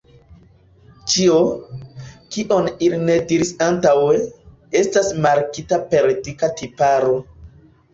Ĉio, kion ili ne diris antaŭe, estas markita per dika tiparo.